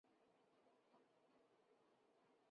在从政之前他曾是一位商人和赛车运动员。